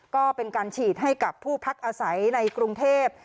ก็เป็นการฉีดให้กับผู้พักอาศัยในกรุงเทพ